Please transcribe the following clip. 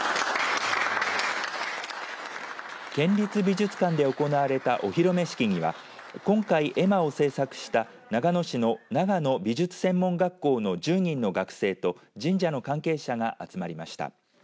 県立美術館で行われたお披露目式には今回、絵馬を制作した長野市の長野美術専門学校の１０人の学生と神社の関係者が集まりました。